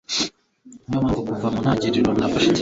ni yo mpamvu kuva mu ntangiriro nafashe icyemezo